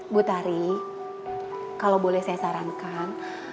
bu tari kalau boleh saya sarankan